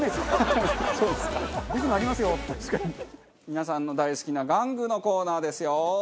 皆さんの大好きな玩具のコーナーですよ。